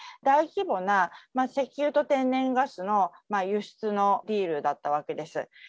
大規模な石油と天然ガスの輸出のディールだったわけです。